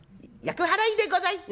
厄払いでござい！